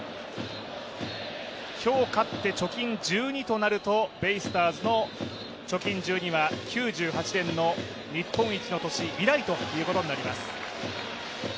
今日勝って貯金１２となるとベイスターズの貯金１２は９８年の日本一の年以来となります。